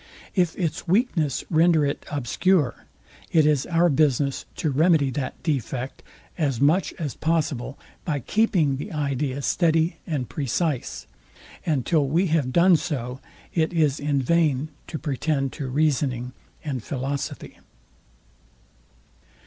If its weakness render it obscure, it is our business to remedy that defect, as much as possible, by keeping the idea steady and precise; and till we have done so, it is in vain to pretend to reasoning and philosophy.